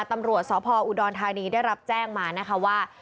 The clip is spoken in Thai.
ตำรวจสพอุดรธานีได้รับแจ้งมานะคะว่า